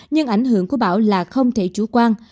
nhưng ảnh hưởng của bão là không thể chủ quan